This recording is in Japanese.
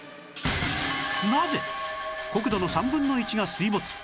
なぜ？国土の３分の１が水没